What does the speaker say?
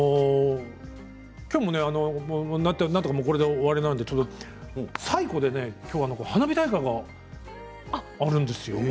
きょうもなんとかこれで終わりなので西湖できょうは花火大会があるんですよ。